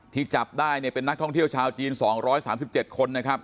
ที่จับได้เป็นนักท่องเที่ยวชาวจีน๒๓๗คน